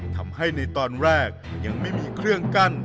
ทำให้ในตอนแรกยังไม่มีเครื่องกั้น